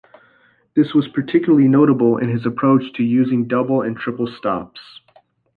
This was particularly notable in his approach to using double and triple stops.